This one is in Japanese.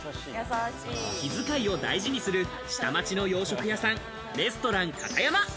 気遣いを大事にする下町の洋食屋さん、レストランカタヤマ。